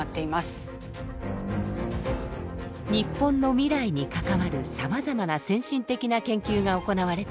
日本の未来に関わるさまざまな先進的な研究が行われている